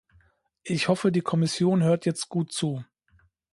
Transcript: Ich hoffe, die Kommission hört jetzt gut zu.